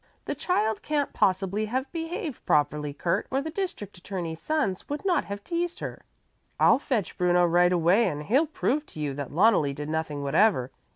"The child can't possibly have behaved properly, Kurt, or the district attorney's sons would not have teased her." "I'll fetch Bruno right away and he'll prove to you that Loneli did nothing whatever.